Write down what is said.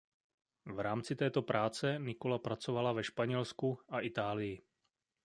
V rámci této práce Nikola pracovala ve Španělsku a Itálii.